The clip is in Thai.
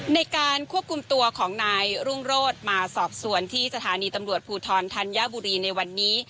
ในการควบคุมตัวของนายรุ่งโรธมาสอบสวนที่สถานีตำรวจภูทรธัญบุรีในวันนี้